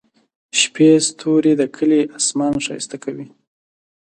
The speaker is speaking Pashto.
د شپې ستوري د کلي اسمان ښايسته کوي.